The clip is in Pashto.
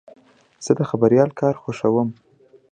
زه د خبریال کار خوښوم.